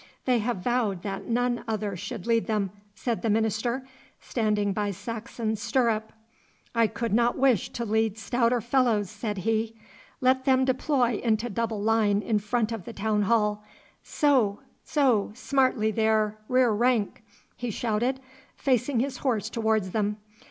'They have vowed that none other should lead them,' said the minister, standing by Saxon's stirrup. 'I could not wish to lead stouter fellows,' said he. 'Let them deploy into double line in front of the town hall. So, so, smartly there, rear rank!' he shouted, facing his horse towards them.